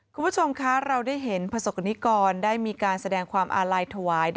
คุณผู้ชมคะเราได้เห็นประสบกรณิกรได้มีการแสดงความอาลัยถวาย